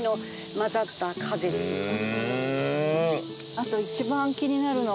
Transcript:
あと一番気になるのは。